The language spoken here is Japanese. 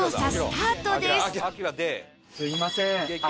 すみません。